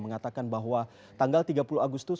mengatakan bahwa tanggal tiga puluh agustus